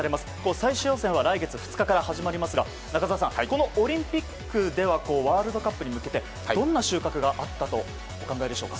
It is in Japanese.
最終予選は来月２日から始まりますが中澤さん、このオリンピックではワールドカップに向けてどんな収穫があったとお考えでしょうか。